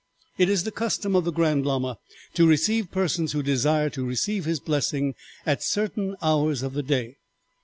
It is the custom of the Grand Lama to receive persons who desire to receive his blessing at certain hours of the day.